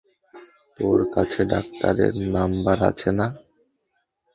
তোর কাছে ডাক্তারের নাম্বার আছে না?